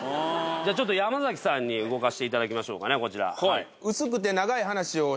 ちょっと山さんに動かしていただきましょうか。